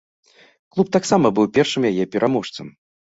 Клуб таксама быў першым яе пераможцам.